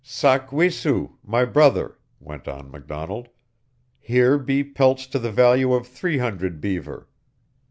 "Sak we su, my brother," went on McDonald, "here be pelts to the value of three hundred 'beaver.'